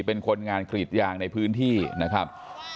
เป็นคนงานกรีดยางในพื้นที่นะครับ